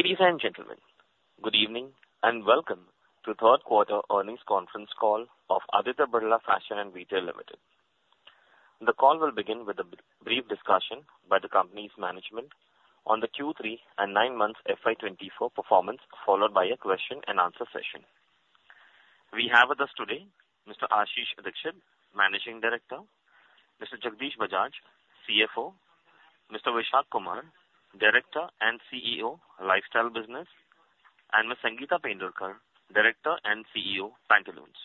Ladies and gentlemen, good evening and welcome to Third-Quarter Earnings Conference Call of Aditya Birla Fashion and Retail Limited. The call will begin with a brief discussion by the company's management on the Q3 and 9-Month FY 2024 Performance, followed by a Question-and-Answer Session. We have with us today Mr. Ashish Dikshit, Managing Director, Mr. Jagdish Bajaj, CFO, Mr. Vishak Kumar, Director and CEO Lifestyle Business, and Ms. Sangeeta Pendurkar, Director and CEO Pantaloons.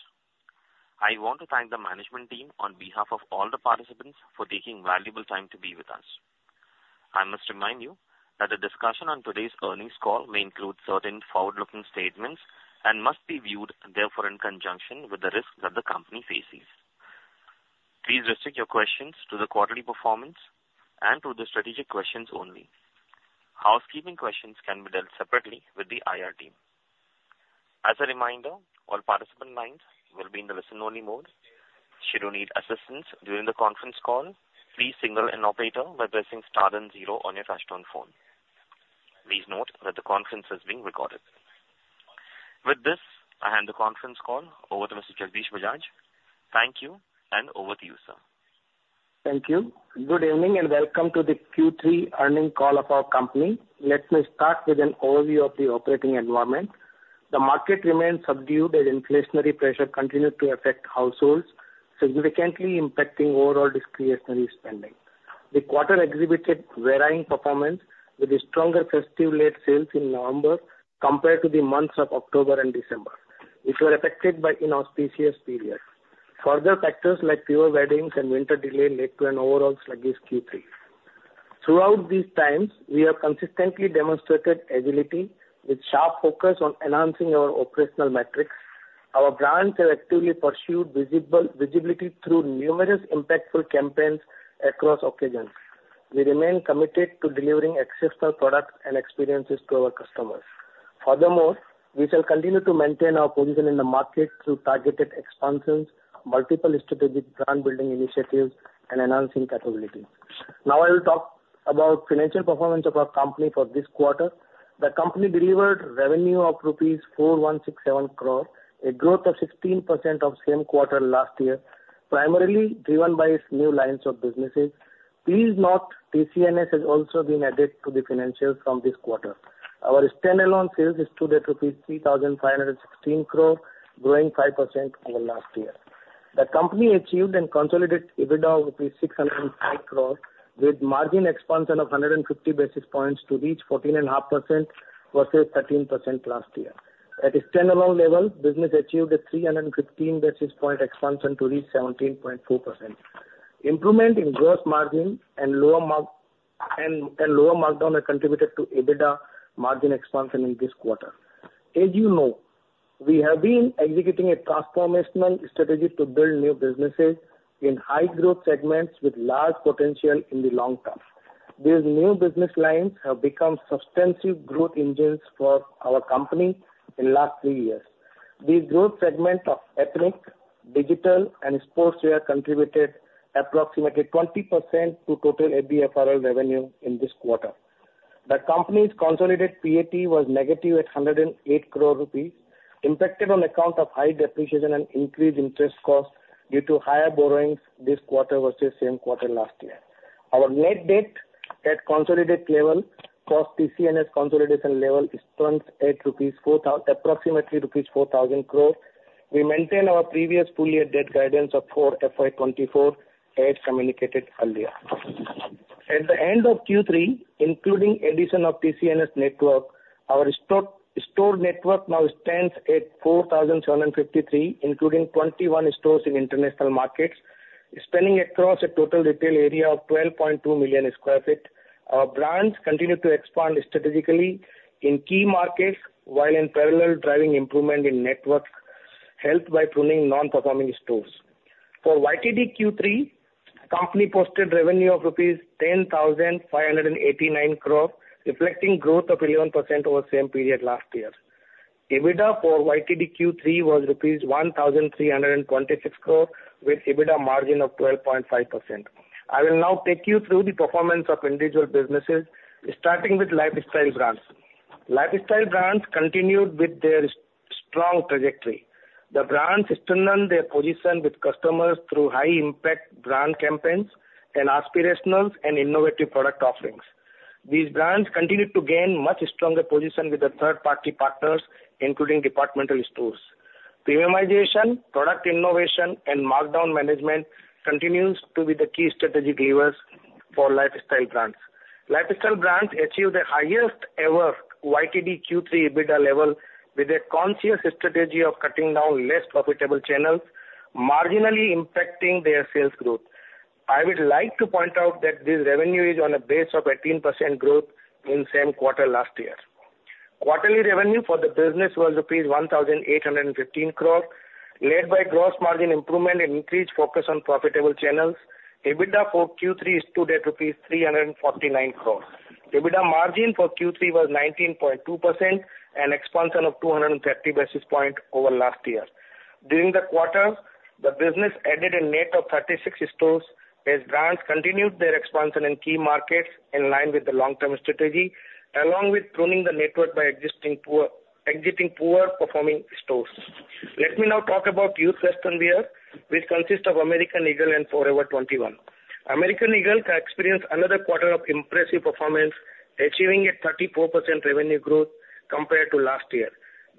I want to thank the management team on behalf of all the participants for taking valuable time to be with us. I must remind you that the discussion on today's earnings call may include certain forward-looking statements and must be viewed, therefore, in conjunction with the risks that the company faces. Please restrict your questions to the quarterly performance and to the Strategic Questions only. Housekeeping questions can be dealt separately with the IR team. As a reminder, all participant lines will be in the listen-only mode. Should you need assistance during the conference call, please signal an operator by pressing star and zero on your touch-tone phone. Please note that the conference is being recorded. With this, I hand the conference call over to Mr. Jagdish Bajaj. Thank you, and over to you, sir. Thank you. Good evening and welcome to the Q3 earnings call of our company. Let me start with an overview of the operating environment. The market remains subdued, and inflationary pressure continues to affect households, significantly impacting overall discretionary spending. The quarter exhibited varying performance, with a stronger festive-led sales in November compared to the months of October and December, which were affected by inauspicious periods. Further factors like fewer weddings and winter delay led to an overall sluggish Q3. Throughout these times, we have consistently demonstrated agility, with sharp focus on enhancing our operational metrics. Our brands have actively pursued visibility through numerous impactful campaigns across occasions. We remain committed to delivering exceptional products and experiences to our customers. Furthermore, we shall continue to maintain our position in the market through targeted expansions, multiple strategic brand-building initiatives, and enhancing capabilities. Now I will talk about financial performance of our company for this quarter. The company delivered revenue of rupees 4,167 crore, a growth of 16% of same quarter last year, primarily driven by its new lines of businesses. Please note, TCNS has also been added to the financials from this quarter. Our standalone sales is today rupees 3,516 crore, growing 5% over last year. The company achieved and consolidated EBITDA of rupees 605 crore, with margin expansion of 150 basis points to reach 14.5% versus 13% last year. At its standalone level, business achieved a 315 basis point expansion to reach 17.4%. Improvement in gross margin and lower markdown have contributed to EBITDA margin expansion in this quarter. As you know, we have been executing a transformational strategy to build new businesses in high-growth segments with large potential in the long term. These new business lines have become substantive growth engines for our company in the last 3 years. These growth segments of ethnic, digital, and sportswear contributed approximately 20% to total ABFRL revenue in this quarter. The company's consolidated PAT was negative at 108 crore rupees, impacted on account of high depreciation and increased interest costs due to higher borrowings this quarter versus same quarter last year. Our net debt at consolidated level post-TCNS Consolidation level is approximately rupees 4,000 crore. We maintain our previous full-year debt guidance of 4 FY 2024, as communicated earlier. At the end of Q3, including addition of TCNS network, our store network now stands at 4,753, including 21 stores in international markets, spanning across a total retail area of 12.2 million sq ft. Our brands continue to expand strategically in key markets while in parallel driving improvement in network, helped by pruning non-performing stores. For YTD Q3, the company posted revenue of rupees 10,589 crore, reflecting growth of 11% over same period last year. EBITDA for YTD Q3 was rupees 1,326 crore, with EBITDA margin of 12.5%. I will now take you through the performance of individual businesses, starting with lifestyle brands. Lifestyle brands continued with their strong trajectory. The brands strengthened their position with customers through high-impact brand campaigns and aspirational and innovative product offerings. These brands continued to gain a much stronger position with third-party partners, including departmental stores. Premiumization, product innovation, and markdown management continued to be the key strategic levers for lifestyle brands. Lifestyle brands achieved the highest-ever YTD Q3 EBITDA level with a conscious strategy of cutting down less profitable channels, marginally impacting their sales growth. I would like to point out that this revenue is on a base of 18% growth in same quarter last year. Quarterly revenue for the business was rupees 1,815 crore, led by gross margin improvement and increased focus on profitable channels. EBITDA for Q3 is today rupees 349 crore. EBITDA margin for Q3 was 19.2% and expansion of 230 basis points over last year. During the quarter, the business added a net of 36 stores, as brands continued their expansion in key markets in line with the long-term strategy, along with pruning the network by exiting poor-performing stores. Let me now talk about Youth Westernwear, which consists of American Eagle and Forever 21. American Eagle experienced another quarter of impressive performance, achieving a 34% revenue growth compared to last year.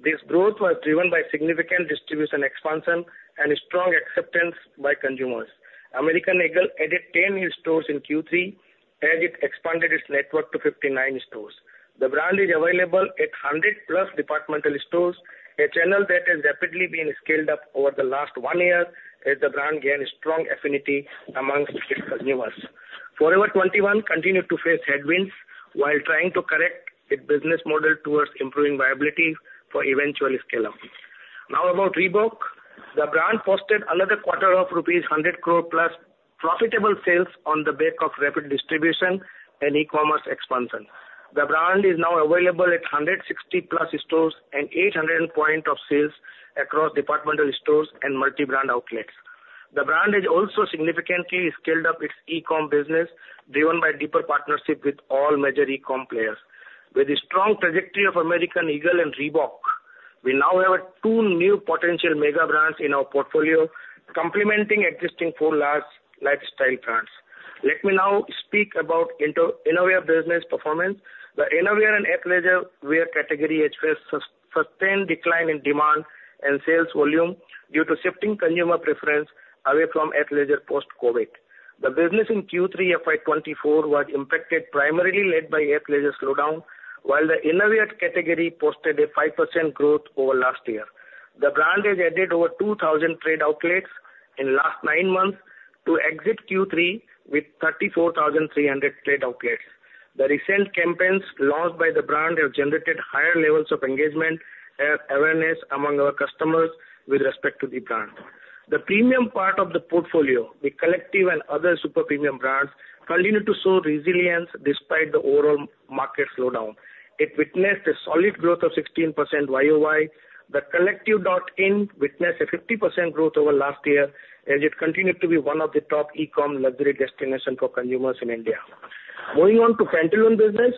This growth was driven by significant distribution expansion and strong acceptance by consumers. American Eagle added 10 new stores in Q3, as it expanded its network to 59 stores. The brand is available at 100+ departmental stores, a channel that has rapidly been scaled up over the last 1 year, as the brand gained strong affinity among its consumers. Forever 21 continued to face headwinds while trying to correct its business model towards improving viability for eventual scale-up. Now about Reebok. The brand posted another quarter of rupees 100 crore+ profitable sales on the back of rapid distribution and e-commerce expansion. The brand is now available at 160+ stores and 800 Points of Sales across departmental stores and multi-brand outlets. The brand has also significantly scaled up its e-com business, driven by deeper partnership with all major e-com players. With the strong trajectory of American Eagle and Reebok, we now have two new potential mega-brands in our portfolio, complementing existing four large lifestyle brands. Let me now speak about Innerwear Business Performance. The Innerwear and athleisure wear category sustained a decline in demand and sales volume due to shifting consumer preference away from athleisure post-Covid. The business in Q3 FY 2024 was impacted, primarily led by athleisure's slowdown, while the Innerwear category posted a 5% growth over last year. The brand has added over 2,000 trade outlets in the last nine months to exit Q3 with 34,300 trade outlets. The recent campaigns launched by the brand have generated higher levels of engagement and awareness among our customers with respect to the brand. The premium part of the portfolio, with Collective and other super-premium brands, continued to show resilience despite the overall market slowdown. It witnessed a solid growth of 16% year-over-year. The Collective.in witnessed a 50% growth over last year, as it continued to be one of the top e-com luxury destinations for consumers in India. Moving on to Pantaloons business,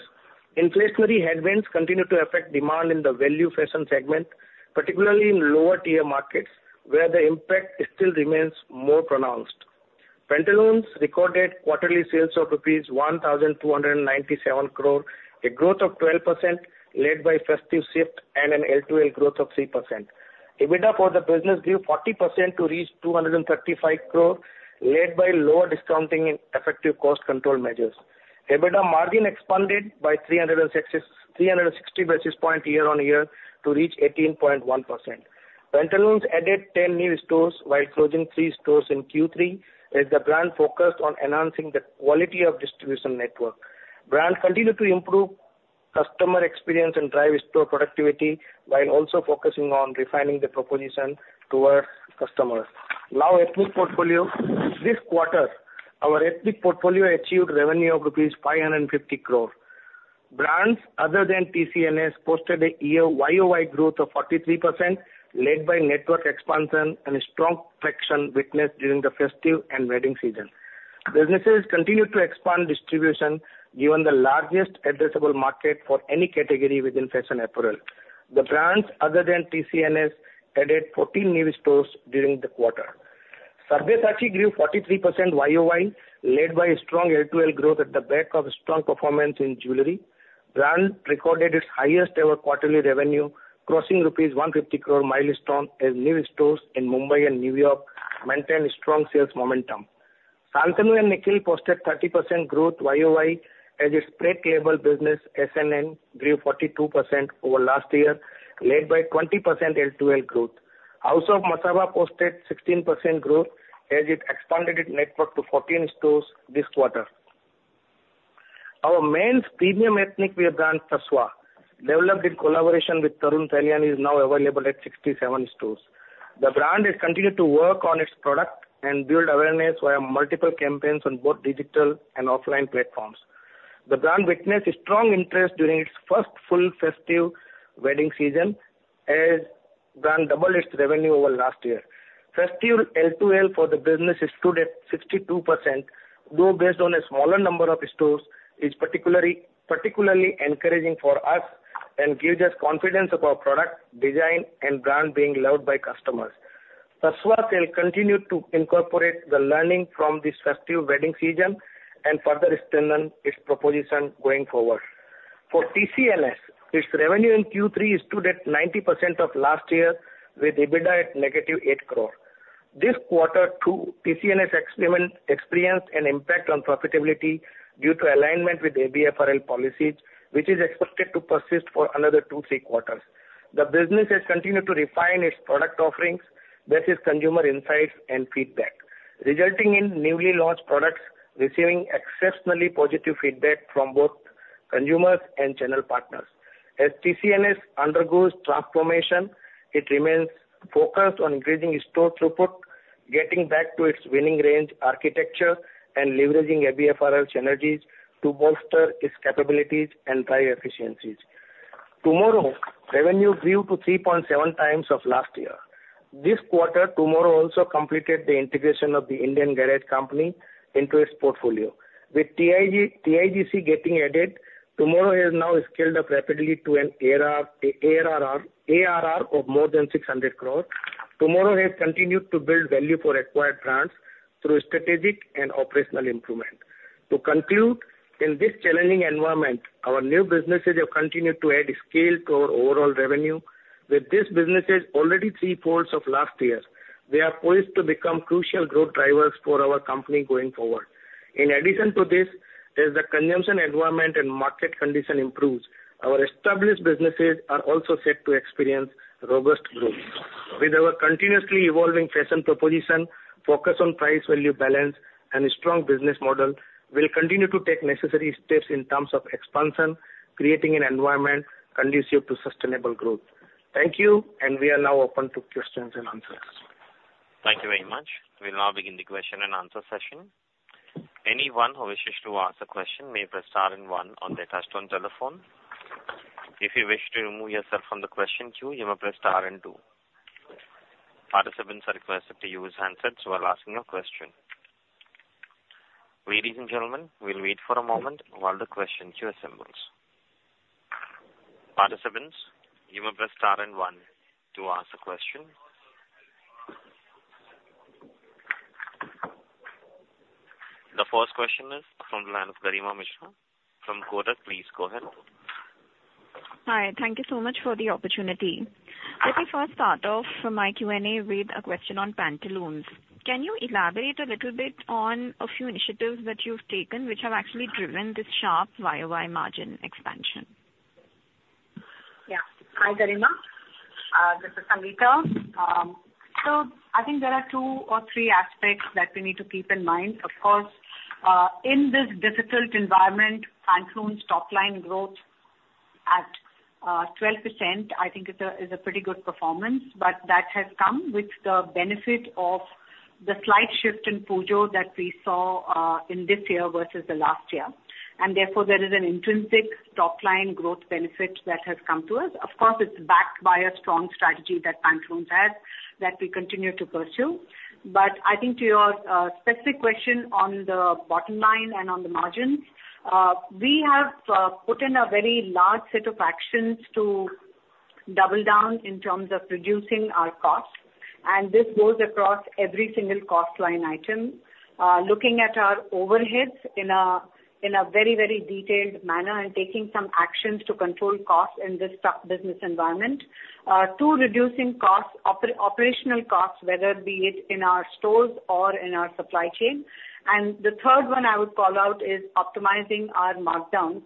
inflationary headwinds continued to affect demand in the value fashion segment, particularly in lower-tier markets, where the impact still remains more pronounced. Pantaloons recorded quarterly sales of rupees 1,297 crore, a growth of 12% led by festive shift and an L2L growth of 3%. EBITDA for the business grew 40% to reach 235 crore, led by lower discounting and effective cost control measures. EBITDA margin expanded by 360 basis points year-on-year to reach 18.1%. Pantaloons added 10 new stores while closing three stores in Q3, as the brand focused on enhancing the quality of distribution network. Brands continued to improve customer experience and drive store productivity while also focusing on refining their proposition towards customers. Now, ethnic portfolio. This quarter, our ethnic portfolio achieved revenue of rupees 550 crore. Brands other than TCNS posted a year-on-year growth of 43%, led by network expansion and strong traction witnessed during the festive and wedding season. Businesses continued to expand distribution, given the largest addressable market for any category within fashion apparel. The brands other than TCNS added 14 new stores during the quarter. Sabyasachi grew 43% year-on-year, led by strong L2L growth at the back of strong performance in jewelry. The brand recorded its highest-ever quarterly revenue, crossing rupees 150 crore milestone, as new stores in Mumbai and New York maintained strong sales momentum. Shantanu & Nikhil posted 30% growth year-on-year, as its print label business, S&N, grew 42% over last year, led by 20% L2L growth. House of Masaba posted 16% growth, as it expanded its network to 14 stores this quarter. Our men's premium ethnic wear brand, Tasva, developed in collaboration with Tarun Tahiliani, is now available at 67 stores. The brand has continued to work on its product and build awareness via multiple campaigns on both digital and offline platforms. The brand witnessed strong interest during its first full festive wedding season, as the brand doubled its revenue over last year. Festive L2L for the business is today at 62%, though based on a smaller number of stores, is particularly encouraging for us and gives us confidence about product design and brand being loved by customers. Tasva sales continued to incorporate the learning from this festive wedding season and further extend its proposition going forward. For TCNS, its revenue in Q3 is today at 90% of last year, with EBITDA at -8 crore. This quarter, TCNS experienced an impact on profitability due to alignment with ABFRL policies, which is expected to persist for another two to three quarters. The business has continued to refine its product offerings versus consumer insights and feedback, resulting in newly launched products receiving exceptionally positive feedback from both consumers and channel partners. As TCNS undergoes transformation, it remains focused on increasing store throughput, getting back to its winning range architecture, and leveraging ABFRL synergies to bolster its capabilities and drive efficiencies. TMRW, revenue grew to 3.7 times of last year. This quarter, TMRW also completed the integration of the Indian Garage Company into its portfolio. With TIGC getting added, TMRW has now scaled up rapidly to an ARR of more than 600 crore. TMRW has continued to build value for acquired brands through strategic and operational improvement. To conclude, in this challenging environment, our new businesses have continued to add scale to our overall revenue. With these businesses already threefold of last year, they are poised to become crucial growth drivers for our company going forward. In addition to this, as the consumption environment and market conditions improve, our established businesses are also set to experience robust growth. With our continuously evolving fashion proposition, focus on price-value balance, and strong business model, we will continue to take necessary steps in terms of expansion, creating an environment conducive to sustainable growth. Thank you, and we are now open to questions and answers. Thank you very much. We will now begin the question and answer session. Anyone who wishes to ask a question may press star and one on their touch-tone telephone. If you wish to remove yourself from the question queue, you may press star and two. Participants are requested to use handsets while asking your question. Ladies and gentlemen, we will wait for a moment while the question queue assembles. Participants, you may press star and one to ask a question. The first question is from the line of Garima Mishra from Kotak. Please go ahead. Hi. Thank you so much for the opportunity. Let me first start off my Q&A with a question on Pantaloons. Can you elaborate a little bit on a few initiatives that you've taken which have actually driven this sharp year-on-year margin expansion? Yeah. Hi, Garima. This is Sangeeta. So I think there are two or three aspects that we need to keep in mind. Of course, in this difficult environment, Pantaloons topline growth at 12%, I think, is a pretty good performance. But that has come with the benefit of the slight shift in Puja that we saw in this year versus the last year. And therefore, there is an intrinsic topline growth benefit that has come to us. Of course, it's backed by a strong strategy that Pantaloons have that we continue to pursue. But I think to your specific question on the bottom line and on the margins, we have put in a very large set of actions to double down in terms of reducing our costs. And this goes across every single cost line item, looking at our overheads in a very, very detailed manner and taking some actions to control costs in this business environment. Two: reducing operational costs, whether it be in our stores or in our supply chain. And the third one I would call out is optimizing our markdowns.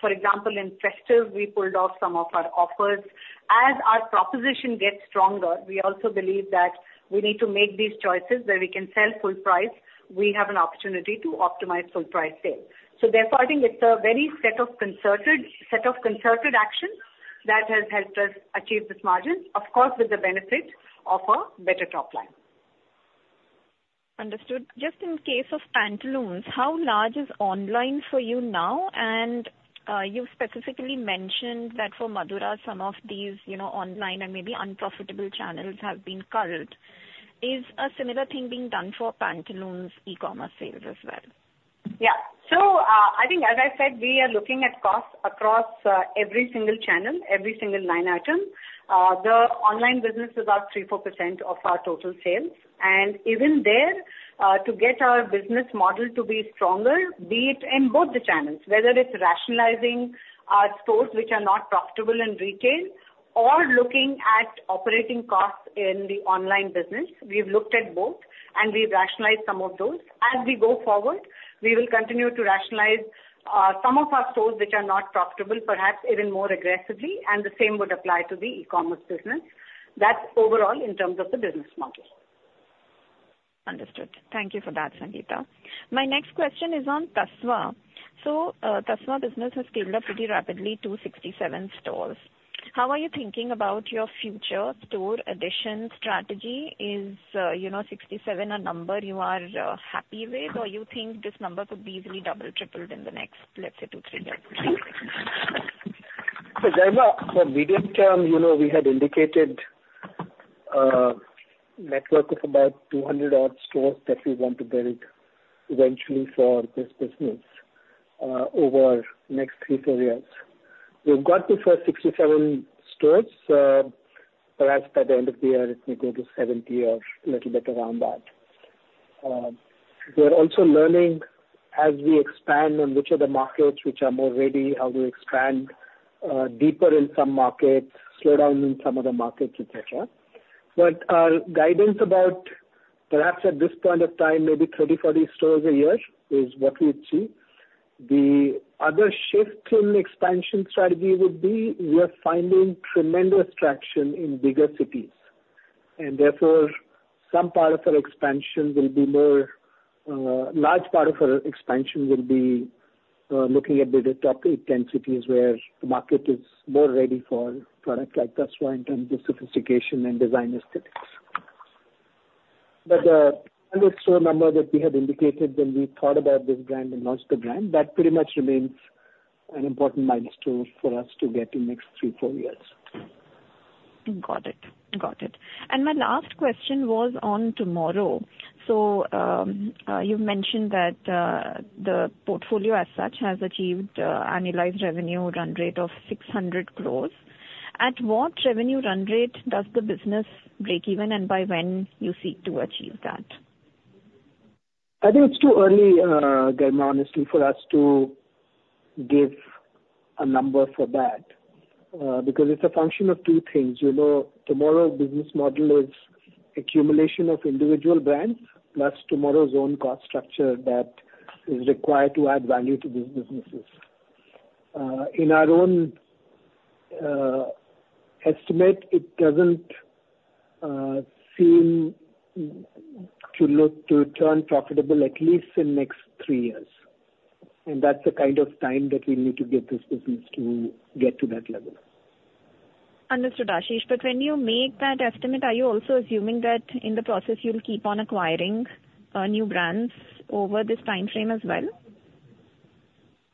For example, in festive, we pulled off some of our offers. As our proposition gets stronger, we also believe that we need to make these choices where we can sell full price. We have an opportunity to optimize full-price sales. So therefore, I think it's a very set of concerted actions that has helped us achieve this margin, of course, with the benefit of a better topline. Understood. Just in case of Pantaloons, how large is online for you now? And you've specifically mentioned that for Madura, some of these online and maybe unprofitable channels have been culled. Is a similar thing being done for Pantaloons e-commerce sales as well? Yeah. So I think, as I said, we are looking at costs across every single channel, every single line item. The online business is about 3%-4% of our total sales. Even there, to get our business model to be stronger, be it in both the channels, whether it's rationalizing our stores which are not profitable in retail or looking at operating costs in the online business, we've looked at both, and we've rationalized some of those. As we go forward, we will continue to rationalize some of our stores which are not profitable, perhaps even more aggressively. The same would apply to the e-commerce business. That's overall in terms of the business model. Understood. Thank you for that, Sangeeta. My next question is on Tasva. Tasva business has scaled up pretty rapidly to 67 stores. How are you thinking about your future store addition strategy? Is 67 a number you are happy with, or do you think this number could be easily doubled, tripled in the next, let's say, two, three years? So Garima, for medium term, we had indicated a network of about 200-odd stores that we want to build eventually for this business over the next 3-4 years. We've got the first 67 stores. Perhaps by the end of the year, it may go to 70 or a little bit around that. We are also learning, as we expand, on which are the markets which are more ready, how to expand deeper in some markets, slow down in some other markets, etc. But our guidance about perhaps at this point of time, maybe 30-40 stores a year is what we see. The other shift in expansion strategy would be we are finding tremendous traction in bigger cities. Therefore, some part of our expansion will be more a large part of our expansion will be looking at the top 10 cities where the market is more ready for products like Tasva in terms of sophistication and design aesthetics. But the 100-store number that we had indicated when we thought about this brand and launched the brand, that pretty much remains an important milestone for us to get in the next three, four years. Got it. Got it. My last question was on TMRW. So you've mentioned that the portfolio as such has achieved an annualized revenue run rate of 600 crore. At what revenue run rate does the business break even, and by when do you seek to achieve that? I think it's too early, Garima, honestly, for us to give a number for that because it's a function of two things. TMRW's business model is accumulation of individual brands plus TMRW's own cost structure that is required to add value to these businesses. In our own estimate, it doesn't seem to turn profitable, at least in the next three years. That's the kind of time that we need to give this business to get to that level. Understood, Ashish. But when you make that estimate, are you also assuming that in the process, you'll keep on acquiring new brands over this time frame as well?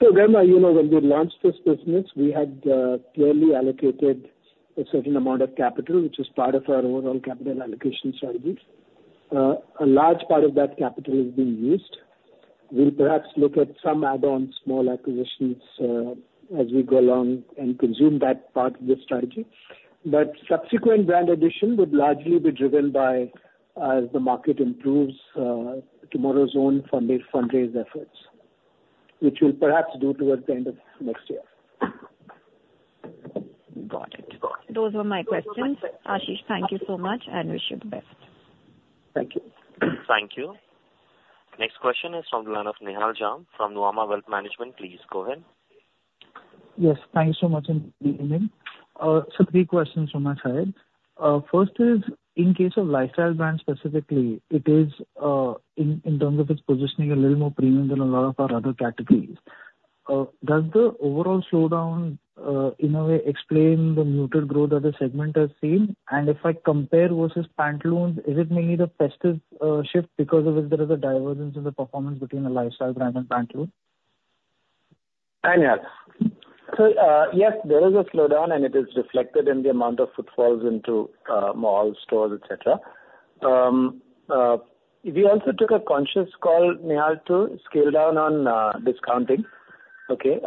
So Garima, when we launched this business, we had clearly allocated a certain amount of capital, which is part of our overall capital allocation strategy. A large part of that capital is being used. We'll perhaps look at some add-ons, small acquisitions, as we go along and consume that part of the strategy. But subsequent brand addition would largely be driven by, as the market improves, TMRW's own fundraise efforts, which we'll perhaps do towards the end of next year. Got it. Those were my questions. Ashish, thank you so much, and wish you the best. Thank you. Thank you. Next question is from the line of Nihal Jham from Nuvama Wealth Management. Please go ahead. Yes. Thank you so much in the evening. So three questions on my side. First is, in case of lifestyle brands specifically, it is in terms of its positioning a little more premium than a lot of our other categories. Does the overall slowdown, in a way, explain the muted growth that the segment has seen? And if I compare versus Pantaloons, is it mainly the festive shift because of which there is a divergence in the performance between a lifestyle brand and Pantaloons? Same here. So yes, there is a slowdown, and it is reflected in the amount of footfalls into malls, stores, etc. We also took a conscious call, Nihal, to scale down on discounting. Okay?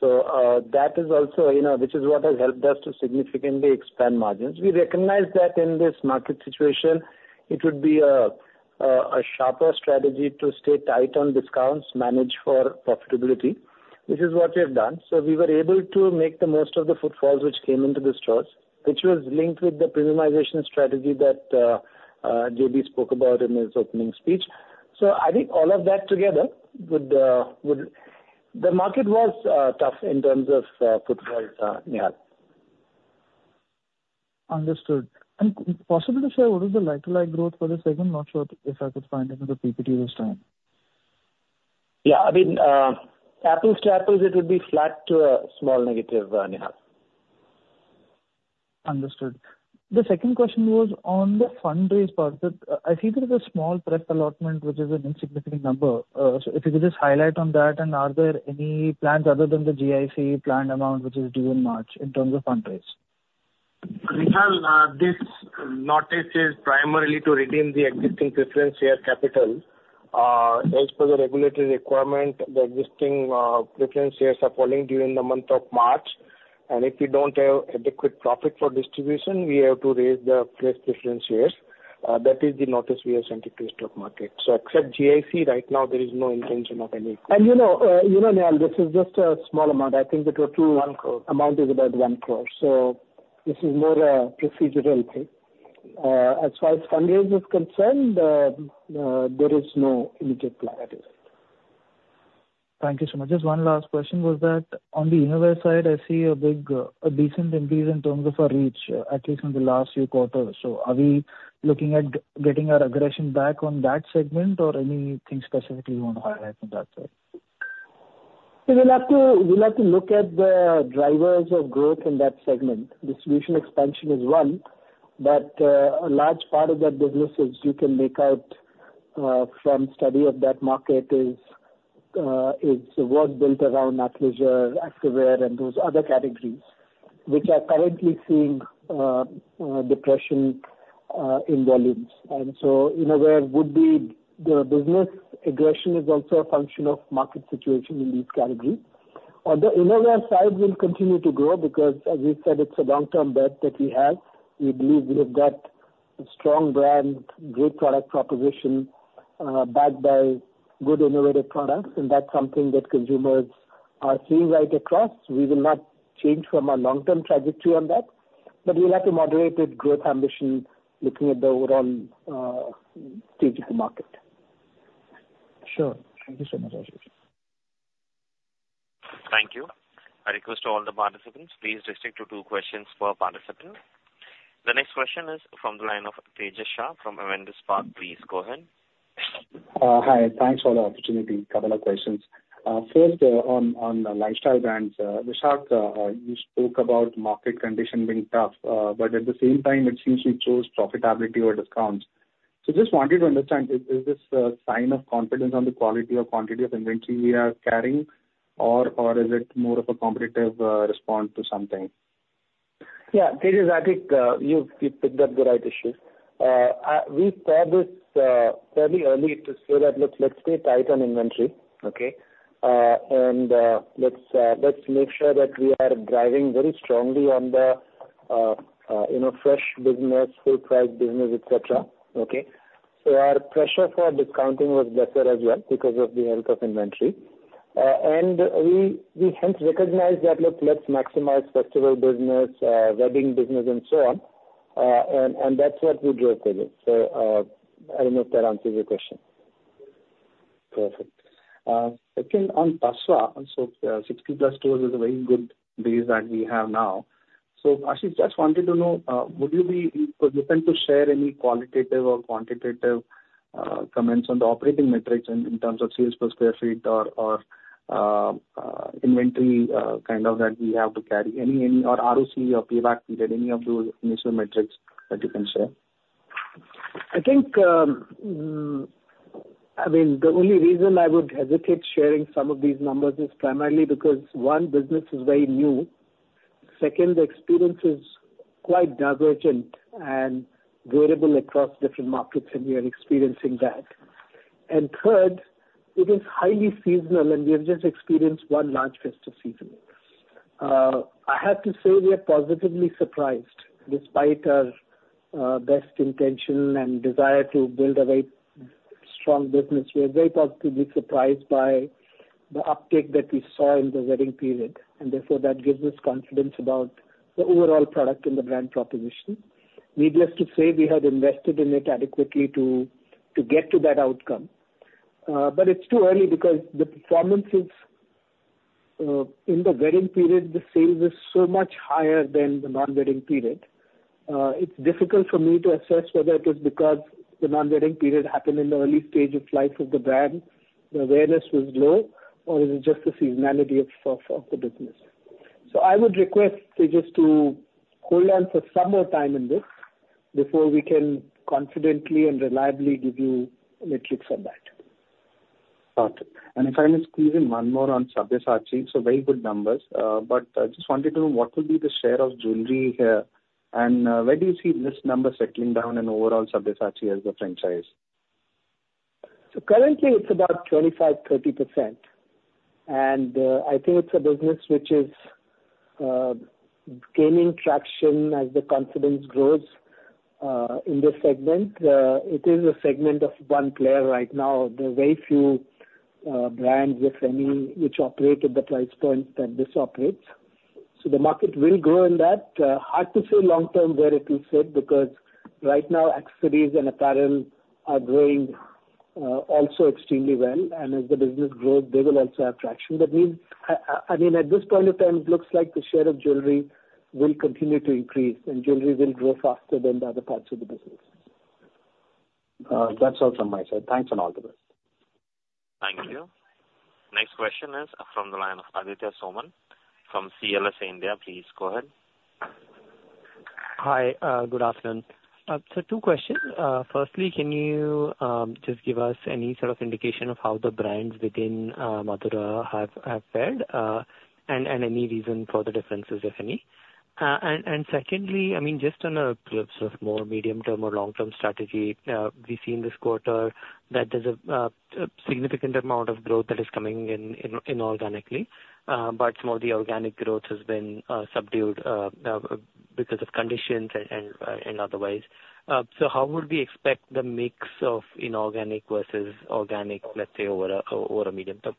So that is also which is what has helped us to significantly expand margins. We recognize that in this market situation, it would be a sharper strategy to stay tight on discounts, manage for profitability, which is what we have done. So we were able to make the most of the footfalls which came into the stores, which was linked with the premiumization strategy that JB spoke about in his opening speech. So I think all of that together would the market was tough in terms of footfalls, Nihal. Understood. And possible to share what is the like-to-like growth for the second? Not sure if I could find it in the PPT this time. Yeah. I mean, apples to apples, it would be flat to a small negative, Nihal. Understood. The second question was on the fundraise part. I see there is a small pref allotment, which is an insignificant number. So if you could just highlight on that, and are there any plans other than the GIC planned amount, which is due in March, in terms of fundraise? Nihal, this notice is primarily to redeem the existing preference share capital. As per the regulatory requirement, the existing preference shares are falling due in the month of March. If we don't have adequate profit for distribution, we have to raise the preference shares. That is the notice we have sent it to the stock market. Except GIC, right now, there is no intention of any equity. And you know, Nihal, this is just a small amount. I think that your true amount is about 1 crore. So this is more a procedural thing. As far as fundraise is concerned, there is no immediate plan. Thank you so much. Just one last question. Was that on the universe side? I see a decent increase in terms of our reach, at least in the last few quarters. So are we looking at getting our aggression back on that segment, or anything specifically you want to highlight on that side? So we'll have to look at the drivers of growth in that segment. Distribution expansion is one. But a large part of that business, as you can make out from the study of that market, is what's built around athleisure, activewear, and those other categories, which are currently seeing depression in volumes. So in a way, the business aggression is also a function of market situation in these categories. On the innovative side, we'll continue to grow because, as we said, it's a long-term bet that we have. We believe we have got a strong brand, great product proposition backed by good innovative products. That's something that consumers are seeing right across. We will not change from our long-term trajectory on that. But we'll have to moderate it, growth ambition, looking at the overall stage of the market. Sure. Thank you so much, Ashish. Thank you. I request all the participants, please restrict to two questions per participant. The next question is from the line of Tejas Shah from Avendus Spark. Please go ahead. Hi. Thanks for the opportunity. A couple of questions. First, on lifestyle brands, Vishak, you spoke about market condition being tough. But at the same time, it seems you chose profitability or discounts. So just wanted to understand, is this a sign of confidence on the quality or quantity of inventory we are carrying, or is it more of a competitive response to something? Yeah. Tejas, I think you've picked up the right issue. We said this fairly early to say that, "Look, let's stay tight on inventory. Okay? And let's make sure that we are driving very strongly on the fresh business, full-price business, etc." Okay? So our pressure for discounting was lesser as well because of the health of inventory. And we hence recognized that, "Look, let's maximize festival business, wedding business, and so on." And that's what we drove with it. So I don't know if that answers your question. Perfect. Second, on Tasva, so 60+ stores is a very good base that we have now. So Ashish, just wanted to know, would you be willing to share any qualitative or quantitative comments on the operating metrics in terms of sales per square feet or inventory kind of that we have to carry? Any ROC or payback period, any of those initial metrics that you can share? I mean, the only reason I would hesitate sharing some of these numbers is primarily because, one, business is very new. Second, the experience is quite divergent and variable across different markets, and we are experiencing that. And third, it is highly seasonal, and we have just experienced one large festive season. I have to say we are positively surprised, despite our best intention and desire to build a very strong business. We are very positively surprised by the uptake that we saw in the wedding period. And therefore, that gives us confidence about the overall product and the brand proposition. Needless to say, we had invested in it adequately to get to that outcome. But it's too early because the performances in the wedding period, the sales are so much higher than the non-wedding period. It's difficult for me to assess whether it is because the non-wedding period happened in the early stage of life of the brand, the awareness was low, or is it just the seasonality of the business. So I would request Tejas to hold on for some more time in this before we can confidently and reliably give you metrics on that. Got it. And if I may squeeze in one more on Sabyasachi, so very good numbers. But I just wanted to know, what will be the share of jewelry here? And where do you see this number settling down in overall Sabyasachi as the franchise? So currently, it's about 25%-30%. And I think it's a business which is gaining traction as the confidence grows in this segment. It is a segment of one player right now. There are very few brands, if any, which operate at the price point that this operates. So the market will grow in that. Hard to say long-term where it will sit because right now, accessories and apparel are growing also extremely well. And as the business grows, they will also have traction. That means, I mean, at this point of time, it looks like the share of jewelry will continue to increase, and jewelry will grow faster than the other parts of the business. That's all from my side. Thanks and all the best. Thank you. Next question is from the line of Aditya Soman from CLSA India. Please go ahead. Hi. Good afternoon. So two questions. Firstly, can you just give us any sort of indication of how the brands within Madura have fared and any reason for the differences, if any? And secondly, I mean, just on a glimpse of more medium-term or long-term strategy, we see in this quarter that there's a significant amount of growth that is coming in organically. But some of the organic growth has been subdued because of conditions and otherwise. So how would we expect the mix of inorganic versus organic, let's say, over a medium term?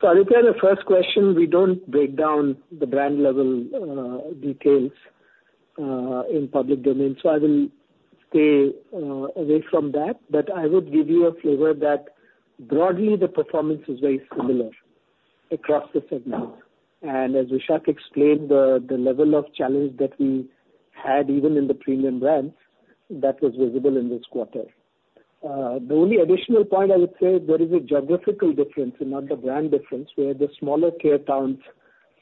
So Aditya, the first question, we don't break down the brand-level details in public domain. So I will stay away from that. But I would give you a flavor that, broadly, the performance is very similar across the segments. As Vishak explained, the level of challenge that we had, even in the premium brands, that was visible in this quarter. The only additional point, I would say, there is a geographical difference and not the brand difference where the smaller tier towns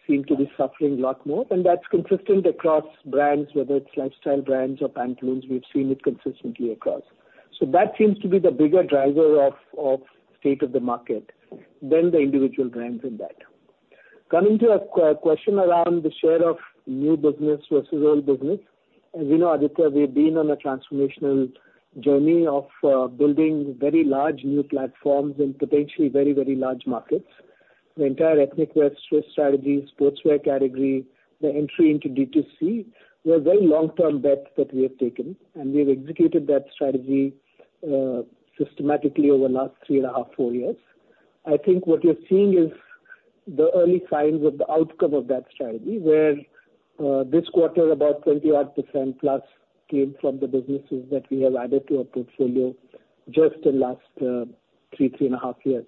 seem to be suffering a lot more. That's consistent across brands, whether it's lifestyle brands or Pantaloons. We've seen it consistently across. That seems to be the bigger driver of the state of the market than the individual brands in that. Coming to a question around the share of new business versus old business, as you know, Aditya, we've been on a transformational journey of building very large new platforms in potentially very, very large markets. The entire ethnic wear strategy, sportswear category, the entry into D2C, they're very long-term bets that we have taken. And we have executed that strategy systematically over the last 3.5-4 years. I think what you're seeing is the early signs of the outcome of that strategy where this quarter, about 20%-odd plus came from the businesses that we have added to our portfolio just in the last 3, 3.5 years.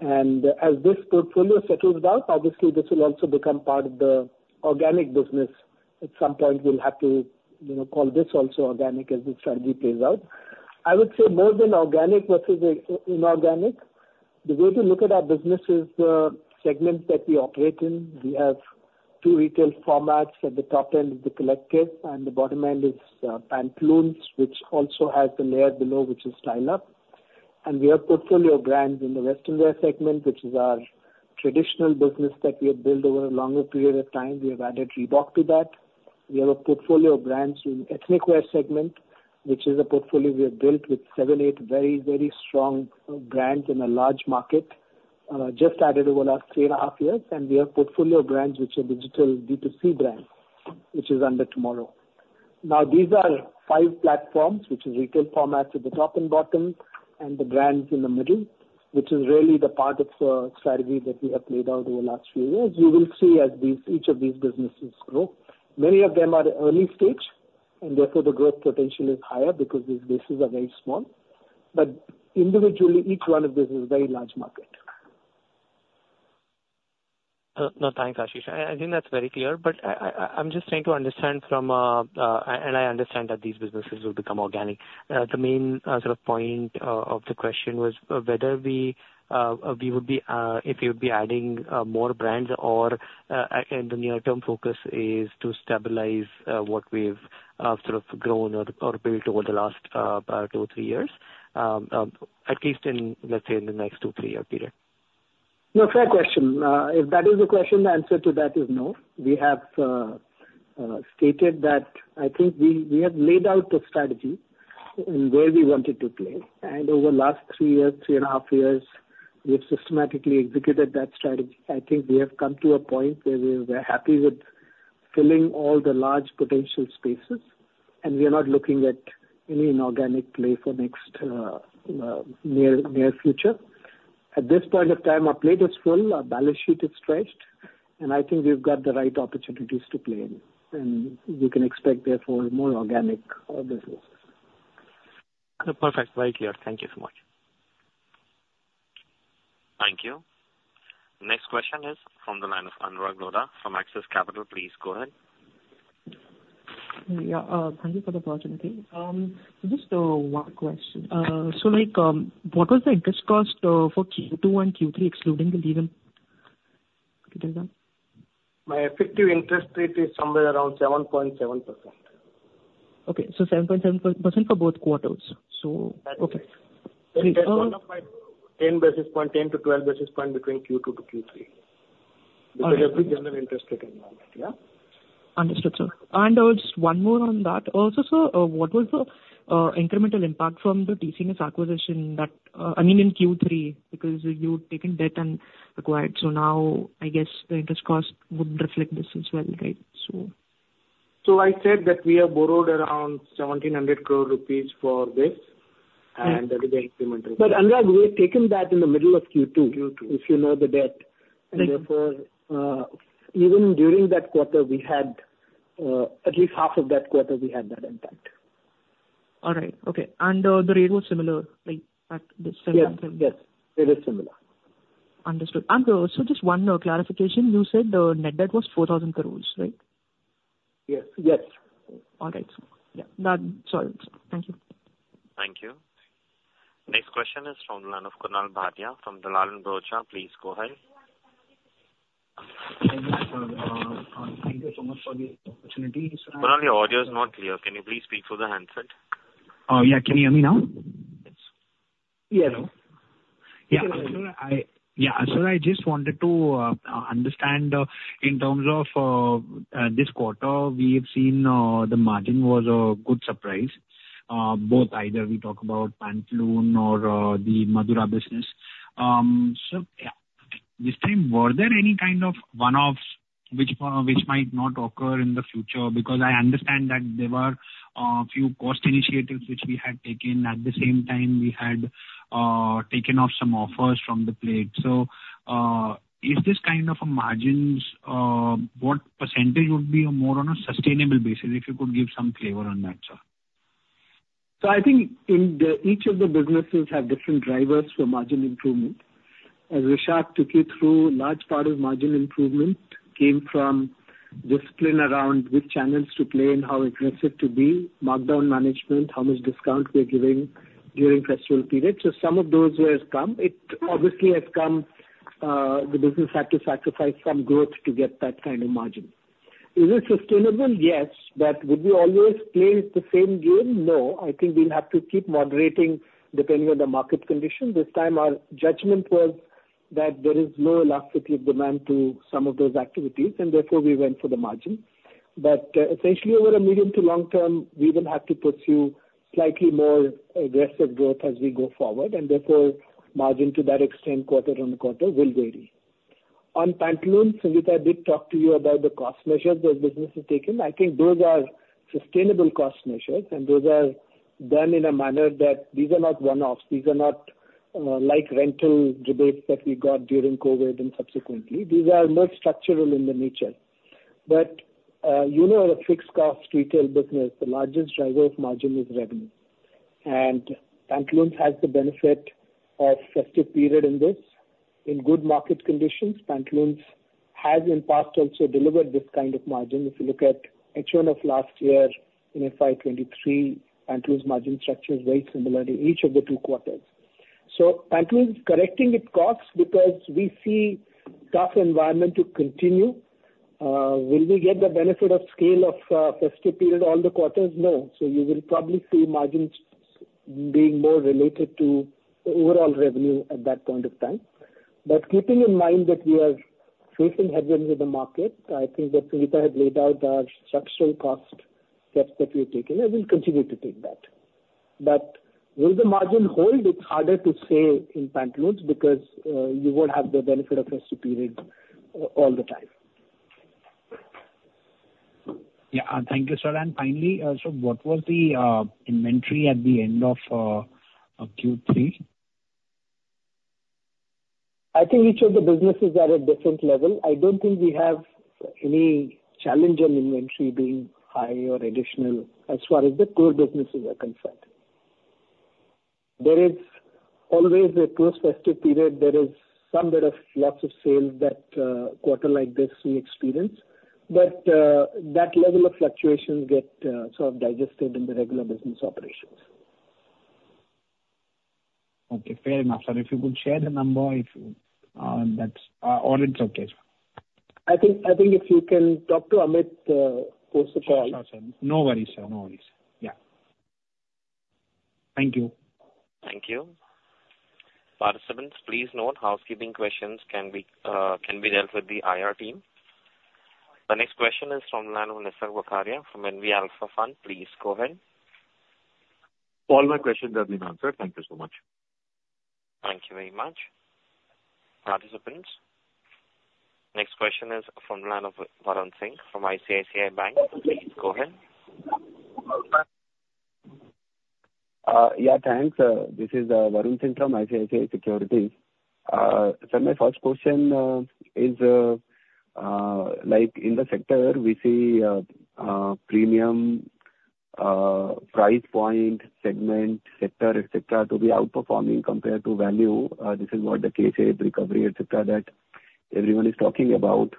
And as this portfolio settles down, obviously, this will also become part of the organic business. At some point, we'll have to call this also organic as the strategy plays out. I would say more than organic versus inorganic, the way to look at our business is the segments that we operate in. We have two retail formats. At the top end is The Collective, and the bottom end is Pantaloons, which also has the layer below, which is Style Up. We have portfolio brands in the western wear segment, which is our traditional business that we have built over a longer period of time. We have added Reebok to that. We have a portfolio of brands in the ethnic wear segment, which is a portfolio we have built with 7, 8 very, very strong brands in a large market just added over the last 3.5 years. We have portfolio brands which are digital D2C brands, which is under TMRW. Now, these are 5 platforms, which are retail formats at the top and bottom and the brands in the middle, which is really the part of the strategy that we have played out over the last few years. You will see as each of these businesses grow. Many of them are early-stage, and therefore, the growth potential is higher because these bases are very small. But individually, each one of these is a very large market. No, thanks, Ashish. I think that's very clear. But I'm just trying to understand from and I understand that these businesses will become organic. The main sort of point of the question was whether we would be if you'd be adding more brands or in the near-term focus is to stabilize what we've sort of grown or built over the last 2 or 3 years, at least in, let's say, in the next 2, 3-year period. No, fair question. If that is the question, the answer to that is no. We have stated that I think we have laid out the strategy and where we wanted to play. And over the last 3 years, 3 and a half years, we have systematically executed that strategy. I think we have come to a point where we're happy with filling all the large potential spaces. We are not looking at any inorganic play for the near future. At this point of time, our plate is full. Our balance sheet is stretched. I think we've got the right opportunities to play in. You can expect, therefore, more organic businesses. Perfect. Very clear. Thank you so much. Thank you. Next question is from the line of Anurag Lodha from Axis Capital. Please go ahead. Thank you for the opportunity. Just one question. What was the interest cost for Q2 and Q3 excluding the legal? Can you tell that? My effective interest rate is somewhere around 7.7%. Okay. 7.7% for both quarters. Okay. Interest one of my 10 basis point, 10-12 basis point between Q2 to Q3 because of the general interest rate environment. Yeah? Understood, sir. And just one more on that also, sir. What was the incremental impact from the TCNS acquisition that I mean, in Q3 because you've taken debt and acquired. So now, I guess, the interest cost would reflect this as well, right? So. So I said that we are borrowed around 1,700 crore rupees for this. And that is the incremental impact. But Anurag, we have taken that in the middle of Q2 if you know the debt. And therefore, even during that quarter, we had at least half of that quarter, we had that impact. All right. Okay. And the rate was similar at the same time? Yes. Yes. It is similar. Understood. And so just one clarification. You said the net debt was 4,000 crore, right? Yes. Yes. All right, sir. Yeah. That's all, sir. Thank you. Thank you. Next question is from the line of Kunal Bhatia from Dalal & Broacha. Please go ahead. Thank you, sir. Thank you so much for the opportunity, sir. Kunal, your audio is not clear. Can you please speak through the handset? Yeah. Can you hear me now? Yes. Yeah. Yeah. Sir, I just wanted to understand in terms of this quarter, we have seen the margin was a good surprise, both either we talk about Pantaloons or the Madura business. So yeah. This time, were there any kind of one-offs which might not occur in the future? Because I understand that there were a few cost initiatives which we had taken. At the same time, we had taken off some offers from the plate. So is this kind of a margin what percentage would be more on a sustainable basis if you could give some flavor on that, sir? So I think each of the businesses have different drivers for margin improvement. As Vishak took you through, large part of margin improvement came from discipline around which channels to play and how aggressive to be, lockdown management, how much discount we are giving during festival period. So some of those have come. Obviously, the business had to sacrifice some growth to get that kind of margin. Is it sustainable? Yes. But would we always play the same game? No. I think we'll have to keep moderating depending on the market conditions. This time, our judgment was that there is low elasticity of demand to some of those activities. And therefore, we went for the margin. But essentially, over a medium to long term, we will have to pursue slightly more aggressive growth as we go forward. And therefore, margin to that extent, quarter-on-quarter, will vary. On Pantaloons, Sangeeta did talk to you about the cost measures those businesses have taken. I think those are sustainable cost measures. And those are done in a manner that these are not one-offs. These are not like rental rebates that we got during COVID and subsequently. These are more structural in their nature. But you know a fixed-cost retail business, the largest driver of margin is revenue. And Pantaloons have the benefit of festive period in this. In good market conditions, Pantaloons have in the past also delivered this kind of margin. If you look at H1 of last year, FY 2023, Pantaloons' margin structure is very similar in each of the two quarters. So Pantaloons are correcting its costs because we see a tough environment to continue. Will we get the benefit of scale of festive period all the quarters? No. So you will probably see margins being more related to overall revenue at that point of time. But keeping in mind that we are facing headwinds in the market, I think that Sangeeta had laid out our structural cost steps that we've taken. And we'll continue to take that. But will the margin hold? It's harder to say in Pantaloons because you won't have the benefit of festive period all the time. Yeah. Thank you, sir. And finally, so what was the inventory at the end of Q3? I think each of the businesses are at different level. I don't think we have any challenge in inventory being high or additional as far as the core businesses are concerned. There is always a post-festive period. There is some bit of loss of sales that quarter like this we experience. But that level of fluctuations get sort of digested in the regular business operations. Okay. Fair enough, sir. If you could share the number, that's all. It's okay, sir. I think if you can talk to Amit post the call. Sure, sir. No worries, sir. No worries. Yeah. Thank you. Thank you. Participants, please note housekeeping questions can be dealt with the IR team. The next question is from the line of Nisarg Vakharia from NV Alpha Fund. Please go ahead. All my questions have been answered. Thank you so much. Thank you very much, participants. Next question is from the line of Varun Singh from ICICI Bank. Please go ahead. Yeah. Thanks, sir. This is Varun Singh from ICICI Securities. Sir, my first question is, in the sector, we see premium price point, segment, sector, etc., to be outperforming compared to value. This is what the K-shaped recovery, etc., that everyone is talking about.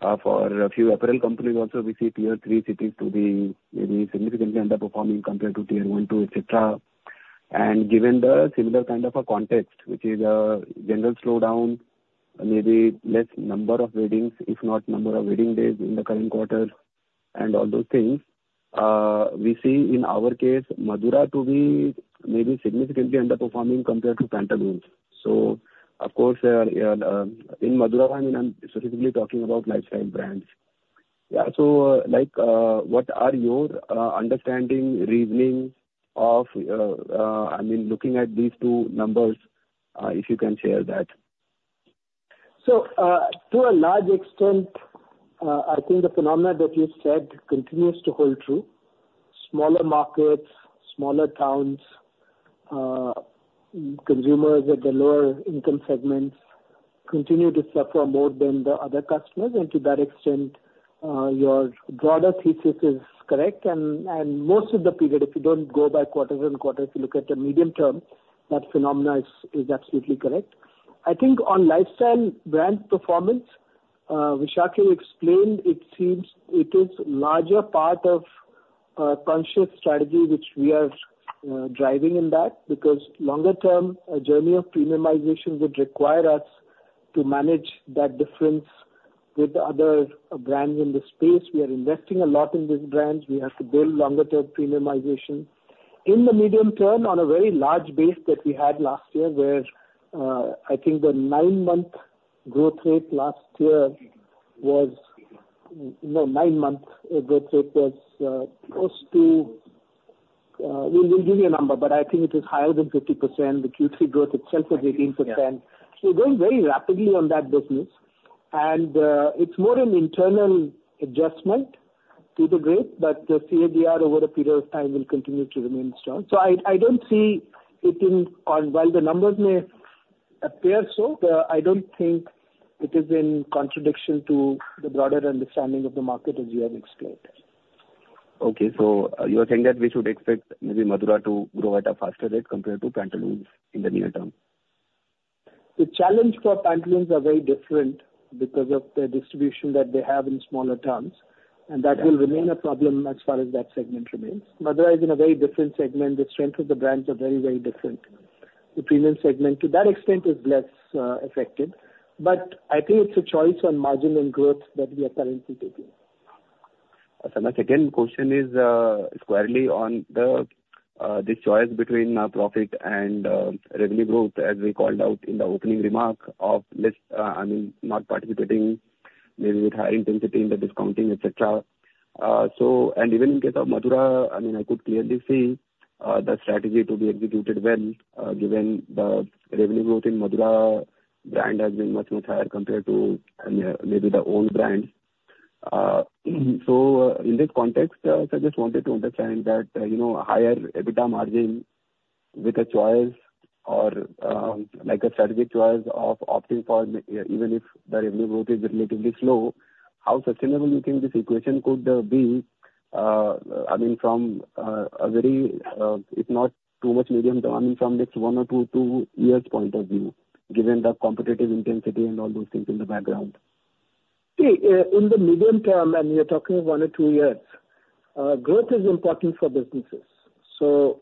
For a few apparel companies also, we see tier three sitting maybe significantly underperforming compared to tier one, two, etc. And given the similar kind of a context, which is a general slowdown, maybe less number of weddings, if not number of wedding days in the current quarter, and all those things, we see in our case, Madura to be maybe significantly underperforming compared to Pantaloons. So of course, in Madura, I mean, I'm specifically talking about lifestyle brands. Yeah. So what are your understanding, reasoning of, I mean, looking at these two numbers, if you can share that? So to a large extent, I think the phenomena that you said continues to hold true. Smaller markets, smaller towns, consumers at the lower income segments continue to suffer more than the other customers. To that extent, your broader thesis is correct. Most of the period, if you don't go by quarter-on-quarter, if you look at the medium term, that phenomena is absolutely correct. I think on lifestyle brand performance, Vishak you explained, it seems it is a larger part of a conscious strategy which we are driving in that because longer-term, a journey of premiumization would require us to manage that difference with other brands in the space. We are investing a lot in these brands. We have to build longer-term premiumization. In the medium term, on a very large base that we had last year where I think the nine-month growth rate last year was, nine-month growth rate was close to—we'll give you a number, but I think it is higher than 50%. The Q3 growth itself was 18%. So we're going very rapidly on that business. And it's more an internal adjustment to the rate. But the CAGR, over a period of time, will continue to remain strong. So I don't see it in—while the numbers may appear so, I don't think it is in contradiction to the broader understanding of the market as you have explained. Okay. So you are saying that we should expect maybe Madura to grow at a faster rate compared to Pantaloons in the near term? The challenge for Pantaloons are very different because of the distribution that they have in smaller towns. That will remain a problem as far as that segment remains. Madura is in a very different segment. The strength of the brands are very, very different. The premium segment, to that extent, is less affected. But I think it's a choice on margin and growth that we are currently taking. Again, question is squarely on this choice between profit and revenue growth as we called out in the opening remark of, I mean, not participating maybe with higher intensity in the discounting, etc. Even in case of Madura, I mean, I could clearly see the strategy to be executed well given the revenue growth in Madura brand has been much, much higher compared to maybe the old brands. So in this context, sir, I just wanted to understand that higher EBITDA margin with a choice or a strategic choice of opting for even if the revenue growth is relatively slow, how sustainable you think this equation could be, I mean, from a very if not too much medium term, I mean, from next one or two years point of view given the competitive intensity and all those things in the background? See, in the medium term, and you're talking one or two years, growth is important for businesses. So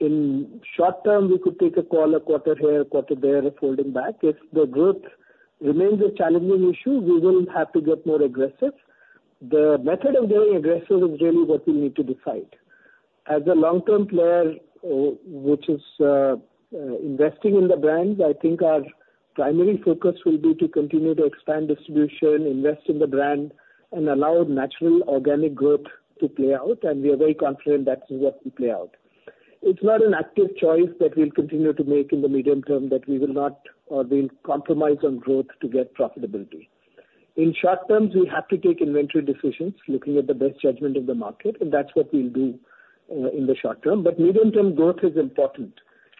in short term, we could take a call a quarter here, a quarter there, folding back. If the growth remains a challenging issue, we will have to get more aggressive. The method of going aggressive is really what we need to decide. As a long-term player which is investing in the brands, I think our primary focus will be to continue to expand distribution, invest in the brand, and allow natural, organic growth to play out. And we are very confident that's what will play out. It's not an active choice that we'll continue to make in the medium term that we will not or we'll compromise on growth to get profitability. In short term, we have to take inventory decisions looking at the best judgment of the market. And that's what we'll do in the short term. But medium-term growth is important.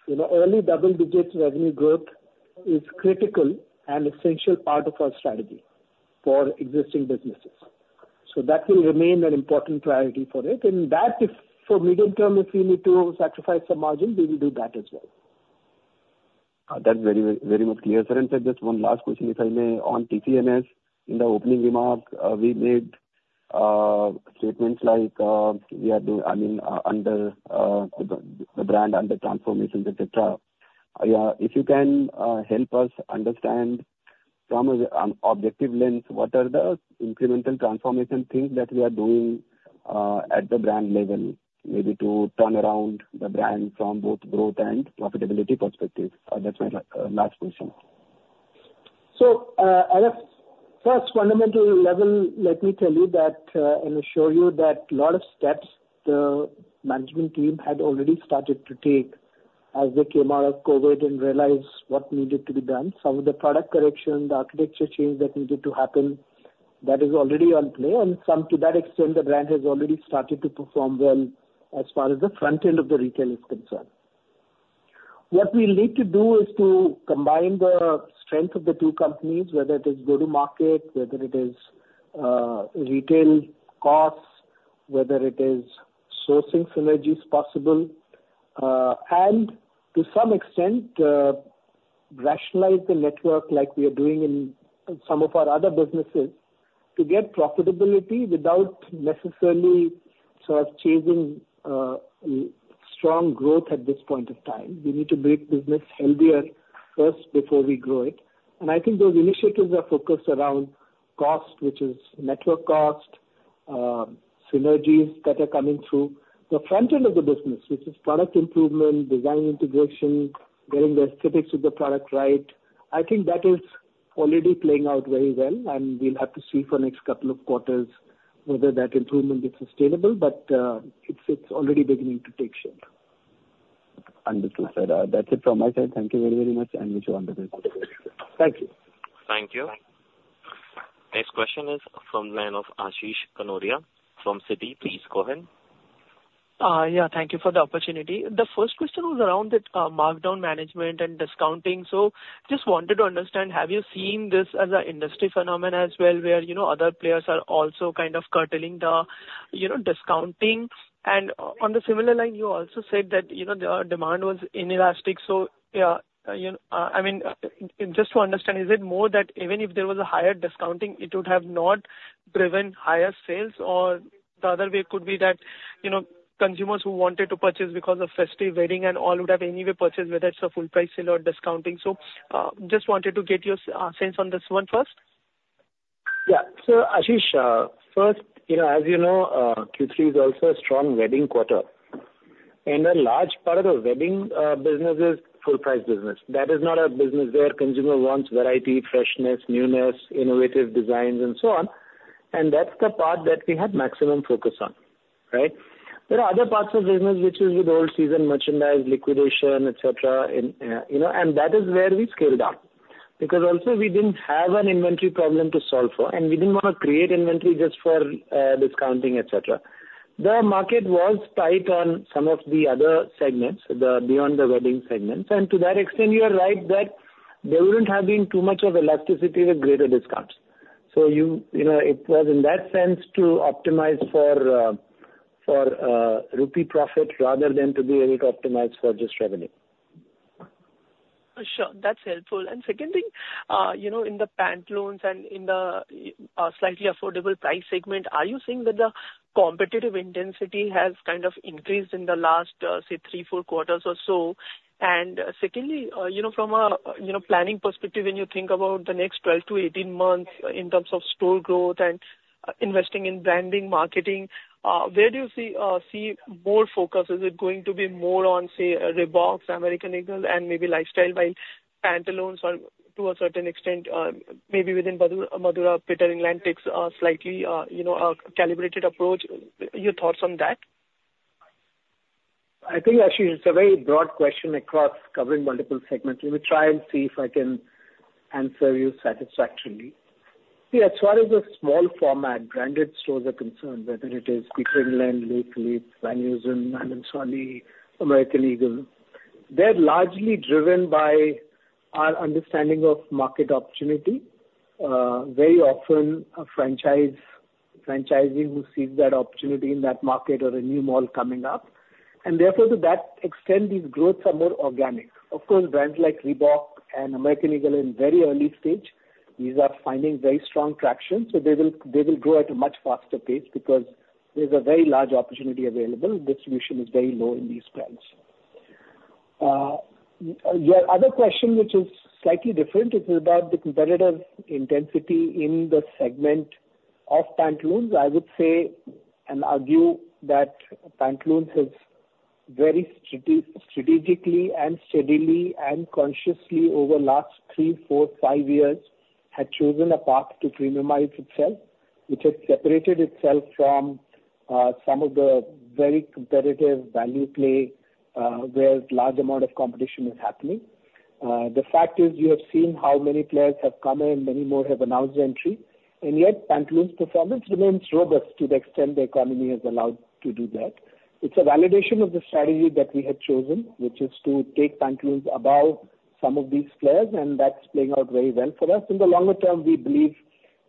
Early double-digit revenue growth is critical and essential part of our strategy for existing businesses. So that will remain an important priority for it. And for medium term, if we need to sacrifice some margin, we will do that as well. That's very, very much clear, sir. And sir, just one last question. If I may, on TCNS, in the opening remark, we made statements like we are doing, I mean, under the brand, under transformations, etc. Yeah. If you can help us understand from an objective lens, what are the incremental transformation things that we are doing at the brand level maybe to turn around the brand from both growth and profitability perspective? That's my last question. So at a first fundamental level, let me tell you and assure you that a lot of steps the management team had already started to take as they came out of COVID and realized what needed to be done, some of the product correction, the architecture change that needed to happen, that is already in play. And to that extent, the brand has already started to perform well as far as the front end of the retail is concerned. What we'll need to do is to combine the strength of the two companies, whether it is go-to-market, whether it is retail costs, whether it is sourcing synergies possible, and to some extent, rationalize the network like we are doing in some of our other businesses to get profitability without necessarily sort of chasing strong growth at this point of time. We need to make business healthier first before we grow it. And I think those initiatives are focused around cost, which is network cost, synergies that are coming through the front end of the business, which is product improvement, design integration, getting the aesthetics of the product right. I think that is already playing out very well. And we'll have to see for the next couple of quarters whether that improvement is sustainable. But it's already beginning to take shape. Understood, sir. That's it from my side. Thank you very, very much. I enjoyed your conversation. Thank you. Thank you. Next question is from the line of Ashish Kanodia from Citi. Please go ahead. Yeah. Thank you for the opportunity. The first question was around the markdown management and discounting. So just wanted to understand, have you seen this as an industry phenomenon as well where other players are also kind of curtailing the discounting? And on the similar line, you also said that the demand was inelastic. So yeah. I mean, just to understand, is it more that even if there was a higher discounting, it would have not driven higher sales? Or the other way could be that consumers who wanted to purchase because of festive wedding and all would have anyway purchased whether it's a full-price sale or discounting. So just wanted to get your sense on this one first. Yeah. Ashish, first, as you know, Q3 is also a strong wedding quarter. A large part of the wedding business is full-price business. That is not a business where consumer wants variety, freshness, newness, innovative designs, and so on. And that's the part that we had maximum focus on, right? There are other parts of business which is with old-season merchandise, liquidation, etc. And that is where we scaled down because also, we didn't have an inventory problem to solve for. We didn't want to create inventory just for discounting, etc. The market was tight on some of the other segments, beyond the wedding segments. And to that extent, you are right that there wouldn't have been too much of elasticity with greater discounts. So it was in that sense to optimize for gross profit rather than to be able to optimize for just revenue. Sure. That's helpful. Second thing, in the Pantaloons and in the slightly affordable price segment, are you seeing that the competitive intensity has kind of increased in the last, say, three, four quarters or so? And secondly, from a planning perspective, when you think about the next 12-18 months in terms of store growth and investing in branding, marketing, where do you see more focus? Is it going to be more on, say, Reebok, American Eagle, and maybe lifestyle, while Pantaloons are to a certain extent maybe within Madura, Peter England, Allen Solly, slightly a calibrated approach? Your thoughts on that? I think, Ashish, it's a very broad question covering multiple segments. Let me try and see if I can answer you satisfactorily. See, as far as the small format branded stores are concerned, whether it is Peter England, Pantaloons, Louis Philippe, Van Heusen, Allen Solly, Sabyasachi, American Eagle, they're largely driven by our understanding of market opportunity. Very often, a franchisee who sees that opportunity in that market or a new mall coming up. Therefore, to that extent, these growths are more organic. Of course, brands like Reebok and American Eagle in a very early stage, these are finding very strong traction. So they will grow at a much faster pace because there's a very large opportunity available. Distribution is very low in these brands. Your other question, which is slightly different, is about the competitive intensity in the segment of Pantaloons. I would say and argue that Pantaloons has very strategically and steadily and consciously over the last three, four, five years chosen a path to premiumize itself, which has separated itself from some of the very competitive value play where a large amount of competition is happening. The fact is, you have seen how many players have come in. Many more have announced entry. Yet, Pantaloons' performance remains robust to the extent the economy has allowed to do that. It's a validation of the strategy that we had chosen, which is to take Pantaloons above some of these players. That's playing out very well for us. In the longer term, we believe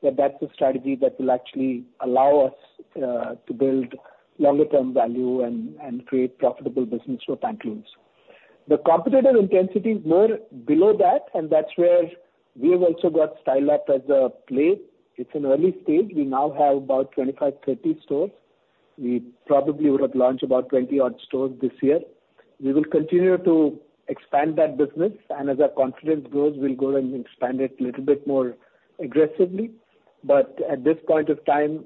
that that's a strategy that will actually allow us to build longer-term value and create profitable business for Pantaloons. The competitive intensity is more below that. And that's where we have also got Style Up as a play. It's an early stage. We now have about 25-30 stores. We probably would have launched about 20-odd stores this year. We will continue to expand that business. And as our confidence grows, we'll go and expand it a little bit more aggressively. But at this point of time,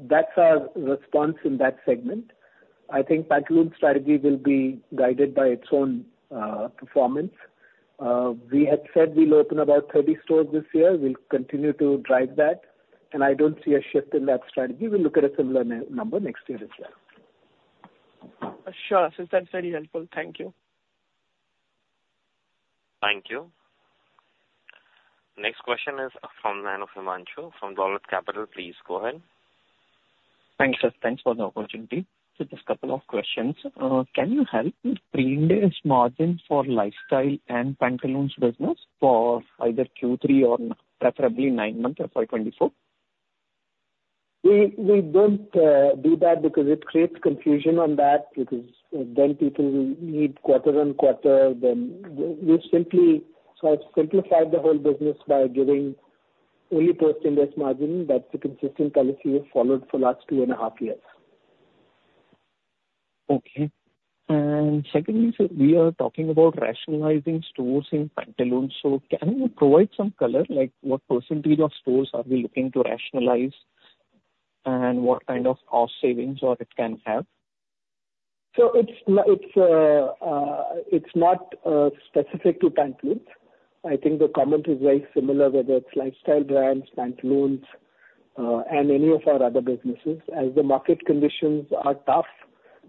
that's our response in that segment. I think Pantaloons strategy will be guided by its own performance. We had said we'll open about 30 stores this year. We'll continue to drive that. And I don't see a shift in that strategy. We'll look at a similar number next year as well. Sure. So that's very helpful. Thank you. Thank you. Next question is from the line of Himanshu from Dolat Capital, please go ahead. Thanks, sir. Thanks for the opportunity. So just a couple of questions. Can you help with pre-Ind AS margin for Lifestyle and Pantaloons business for either Q3 or preferably 9 months or for 24? We don't do that because it creates confusion on that because then people will need quarter-on-quarter. So I've simplified the whole business by giving only post-ind AS margin. That's the consistent policy we've followed for the last two and a half years. Okay. And secondly, sir, we are talking about rationalizing stores in Pantaloons. So can you provide some color? What percentage of stores are we looking to rationalize and what kind of cost savings it can have? So it's not specific to Pantaloons. I think the comment is very similar whether it's lifestyle brands, Pantaloons, and any of our other businesses. As the market conditions are tough,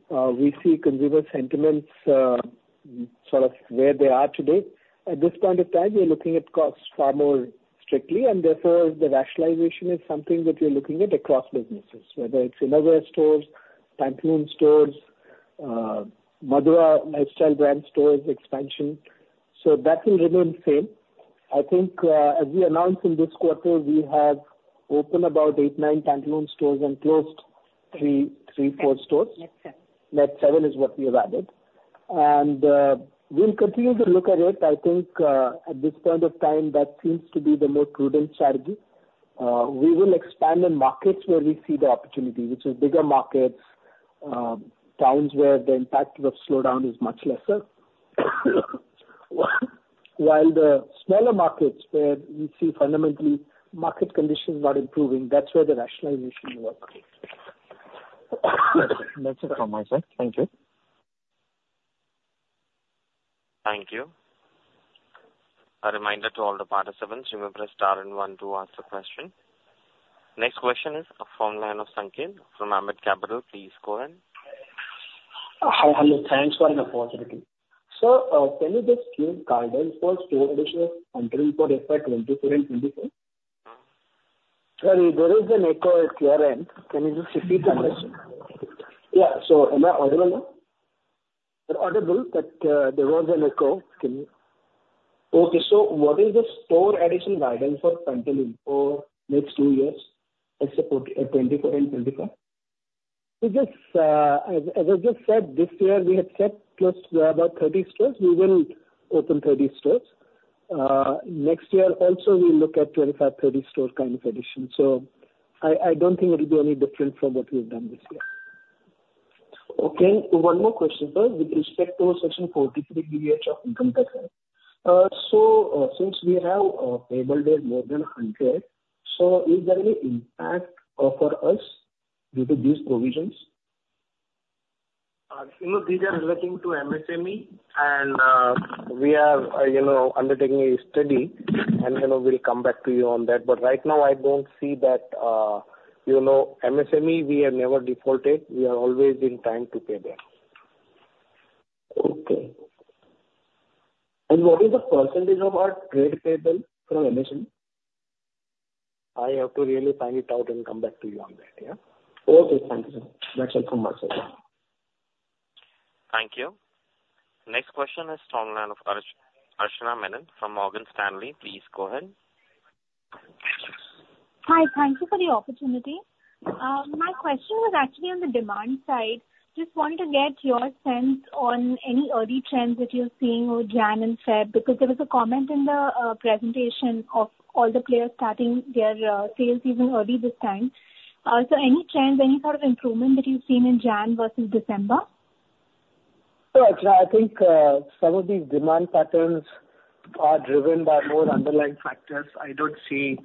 we see consumer sentiments sort of where they are today. At this point of time, we're looking at cost far more strictly. And therefore, the rationalization is something that we're looking at across businesses, whether it's innerwear stores, Pantaloons stores, Madura lifestyle brand stores expansion. So that will remain the same. I think as we announce in this quarter, we have opened about 8-9 Pantaloons stores and closed 3-4 stores. Net 7. Net 7 is what we have added. And we'll continue to look at it. I think at this point of time, that seems to be the more prudent strategy. We will expand in markets where we see the opportunity, which is bigger markets, towns where the impact of slowdown is much lesser, while the smaller markets where we see fundamentally market conditions not improving, that's where the rationalization will occur. That's it from my side. Thank you. Thank you. A reminder to all the participants, remember to star and one to ask the question. Next question is from the line of Sanket from Ambit Capital. Please go ahead. Hi. Hello. Thanks. What an opportunity. Sir, can you just give guidance for store addition of Pantaloons for FY 2024 and FY 2025? Sorry. There is an echo at the other end. Can you just repeat the question? Yeah. So am I audible now? You're audible, but there was an echo. Can you? Okay. So what is the store addition guidance for Pantaloons for next two years, FY 2024 and FY 2025? As I just said, this year, we had said close to about 30 stores. We will open 30 stores. Next year, also, we'll look at 25-30 store kind of addition. So I don't think it'll be any different from what we've done this year. Okay. One more question, sir, with respect to Section 43B(h) of income taxes. So since we have payable debt more than 100, so is there any impact for us due to these provisions? These are relating to MSME. And we are undertaking a study. And we'll come back to you on that. But right now, I don't see that MSME, we have never defaulted. We are always in time to pay them. Okay. And what is the percentage of our trade payable from MSME? I have to really find it out and come back to you on that. Yeah? Okay. Thank you, sir. That's all from my side. Thank you. Next question is from the line of Archana Menon from Morgan Stanley. Please go ahead. Hi. Thank you for the opportunity. My question was actually on the demand side. Just wanted to get your sense on any early trends that you're seeing with January and February because there was a comment in the presentation of all the players starting their sales season early this time. So any trends, any sort of improvement that you've seen in January versus December? Sure. I think some of these demand patterns are driven by more underlying factors. I don't see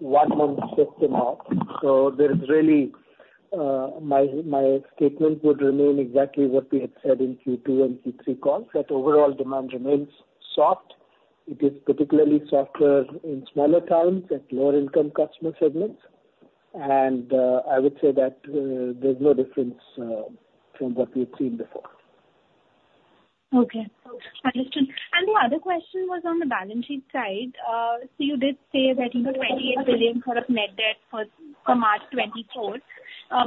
one-month shifting off. So my statement would remain exactly what we had said in Q2 and Q3 calls, that overall demand remains soft. It is particularly softer in smaller towns at lower-income customer segments. And I would say that there's no difference from what we've seen before. Okay. Understood. The other question was on the balance sheet side. So you did say that 28 billion sort of net debt for March 2024.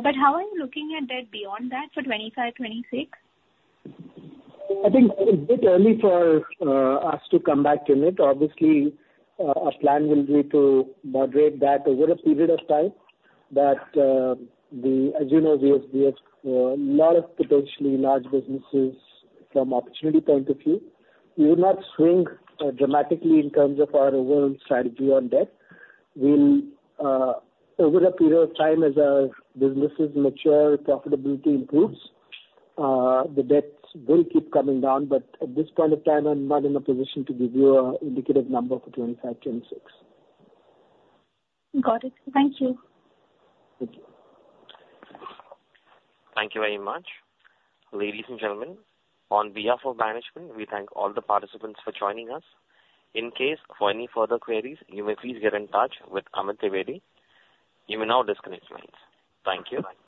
But how are you looking at debt beyond that for 2025, 2026? I think it's a bit early for us to come back to it. Obviously, our plan will be to moderate that over a period of time. But as you know, we have a lot of potentially large businesses from an opportunity point of view. We will not swing dramatically in terms of our overall strategy on debt. Over a period of time, as our businesses mature, profitability improves, the debts will keep coming down. But at this point of time, I'm not in a position to give you an indicative number for 2025, 2026. Got it. Thank you. Thank you. Thank you very much. Ladies and gentlemen, on behalf of management, we thank all the participants for joining us. In case for any further queries, you may please get in touch with Amit Dwivedi. You may now disconnect lines. Thank you.